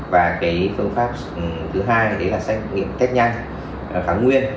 và phương pháp thứ hai đấy là xét nghiệm test nhanh kháng nguyên